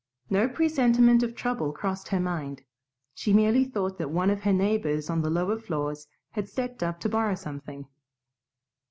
No presentiment of trouble crossed her mind; she merely thought that one of her neighbors on the lower floors had stepped up to borrow something.